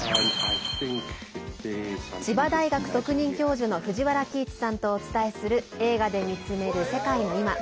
千葉大学特任教授の藤原帰一さんとお伝えする「映画で見つめる世界のいま」。